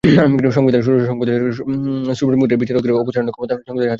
সংবিধানের ষোড়শ সংশোধনীতে সুপ্রিম কোর্টের বিচারকদের অপসারণের ক্ষমতা সংসদের হাতে দেওয়া হয়েছিল।